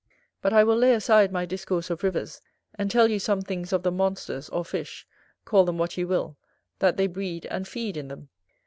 But I will lay aside my discourse of rivers, and tell you some things of the monsters, or fish, call them what you will, that they breed and feed in them.